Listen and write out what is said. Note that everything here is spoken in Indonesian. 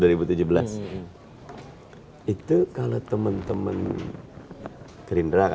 katakan sebutkan sebilangnya gini almarhum taufik dengan entema enak pks ngumpulin kader priet kumpul